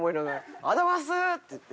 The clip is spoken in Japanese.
「ありがとうございます！」って言って。